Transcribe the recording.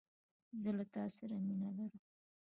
زه له تاسره مينه لرم